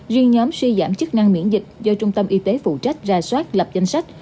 riêng nhóm suy giảm chức năng miễn dịch do trung tâm y tế phụ trách ra soát lập danh sách